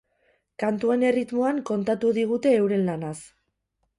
Kantuen erritmoan kontatu digute euren lanaz.